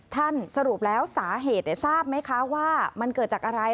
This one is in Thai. สรุปแล้วสาเหตุทราบไหมคะว่ามันเกิดจากอะไร